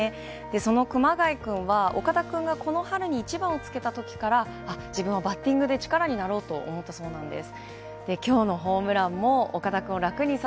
その熊谷君は、岡田君がこの春に１番をつけたときから、自分はバッティングで力になろうと思ったそうなんです。